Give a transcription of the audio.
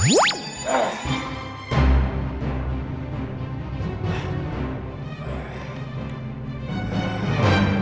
kita harus sampai sampai spilla